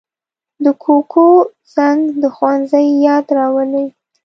د کوکو زنګ د ښوونځي یاد راولي